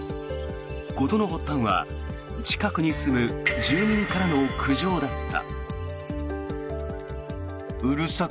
事の発端は近くに住む住民からの苦情だった。